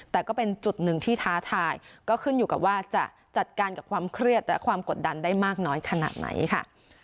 แต่ก็เป็นจุดหนึ่งที่ท้าทายก็ขึ้นอยู่กับว่าจะจัดการกับความเครียดและความกดดันได้มากน้อยขนาดไหนค่ะ